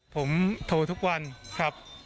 ผมโทรทุกวันครับ